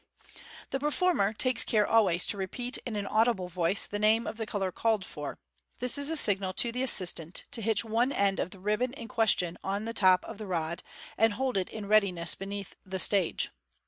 The performer takes care always to repeat in an audible voice the name of the colour called for. This is a signal to the assistant to hitch one end of the ribbon in question on the top of the rod, and hold it in readiness beneath the stage.